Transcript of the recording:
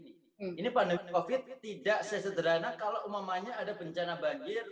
ini pandemi covid tidak sesederhana kalau umumnya ada bencana banjir